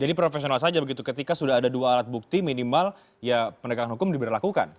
jadi profesional saja begitu ketika sudah ada dua alat bukti minimal ya penegakan hukum diberlakukan